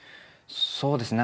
そうですね。